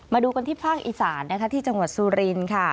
มาดูกันที่ฟรั่งอิสันที่จังหวัดสุรินต์ค่ะ